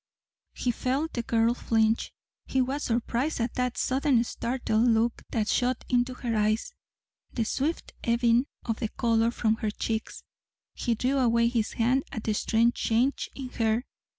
He felt the girl flinch. He was surprised at the sudden startled look that shot into her eyes, the swift ebbing of the colour from her cheeks. He drew away his hand at the strange change in her.